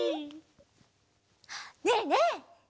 ねえねえ。